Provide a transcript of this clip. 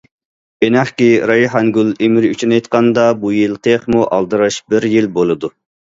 ئېنىقكى، رەيھانگۈل ئىمىر ئۈچۈن ئېيتقاندا بۇ يىل تېخىمۇ ئالدىراش بىر يىل بولىدۇ.